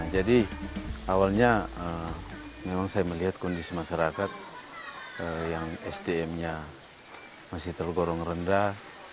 jadi awalnya memang saya melihat kondisi masyarakat yang sdm nya masih tergorong rendah